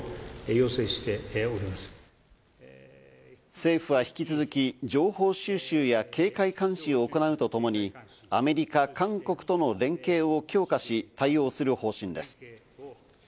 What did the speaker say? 政府は引き続き、情報収集や警戒監視を行うとともに、アメリカ、韓国との連携を強化し、対応する方針です。